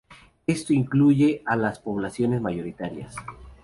Esto incluye a las poblaciones mayoritarias.